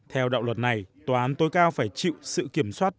theo đạo luật này tòa án tối cao phải chịu sự kiểm soát